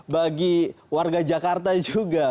bagi warga jakarta juga